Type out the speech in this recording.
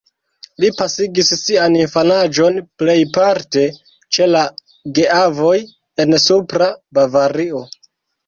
Li pasigis sian infanaĝon plejparte ĉe la geavoj en Supra Bavario.